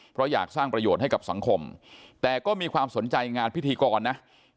เพราะอยากสร้างประโยชน์ให้กับสังคมแต่ก็มีความสนใจงานพิธีกรนะ